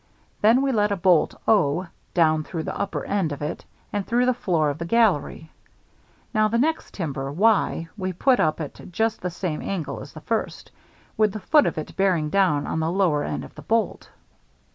Then we let a bolt (o) down through the upper end of it and through the floor of the gallery. Now the next timber (y) we put up at just the same angle as the first, with the foot of it bearing down on the lower end of the bolt.